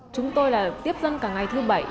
chúng tôi là tiếp dân cả ngày thứ bảy